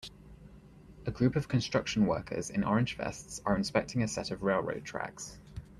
A group of construction workers in orange vests are inspecting a set of railroad tracks.